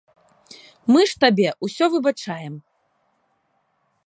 Мы ж табе ўсё выбачаем.